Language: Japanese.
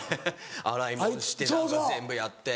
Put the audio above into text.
洗い物して何か全部やって。